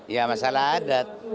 ya masalah adat